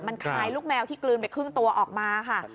มันคลายลูกแมวที่กลืนไปครึ่งตัวออกมาค่ะ